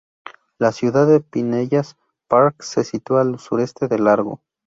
La ciudad de Pinellas Park se sitúa al sureste de Largo.